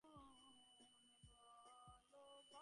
চারটা পাইছি আমরা।